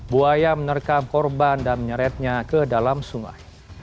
buaya menerkam korban dan menyeretnya ke dalam sungai